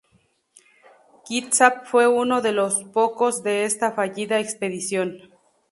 Kitsap fue uno de los poco de esta fallida expedición.